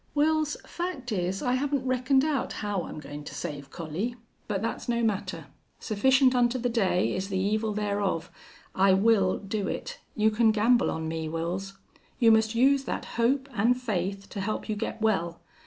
"Wils, fact is, I haven't reckoned out how I'm goin' to save Collie. But that's no matter. Sufficient unto the day is the evil thereof. I will do it. You can gamble on me, Wils. You must use that hope an' faith to help you get well.